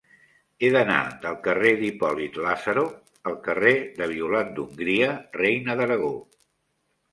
He d'anar del carrer d'Hipòlit Lázaro al carrer de Violant d'Hongria Reina d'Aragó.